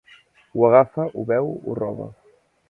Ho agafa, ho beu, ho roba.